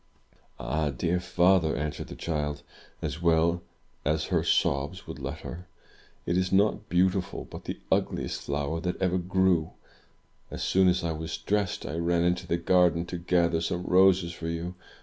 "Ah, dear father!" answered the child, as well as her sobs would let her; "it is not beautiful but the ugliest flower that ever grew! As soon as I was dressed I ran into the garden to gather some roses for you.